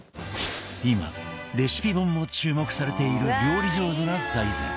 今レシピ本も注目されている料理上手な財前